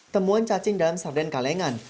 temuan cacing dalam sarden kalengan